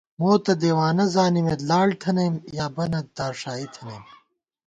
موتہ دیوانہ زانِمېت لاڑ تھنَئیم، یا بَنہ دارݭائی تھنَئیم